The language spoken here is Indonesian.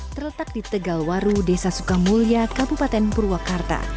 terletak di tegal waru desa sukamulya kabupaten purwakarta